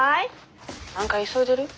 何か急いでる？